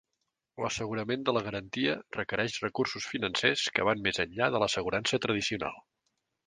L'assegurament de la garantia requereix recursos financers que van més enllà de l'assegurança tradicional.